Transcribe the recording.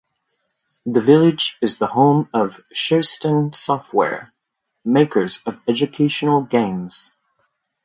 The village is the home of Sherston Software, makers of educational games.